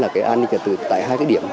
là an ninh trật tự tại hai điểm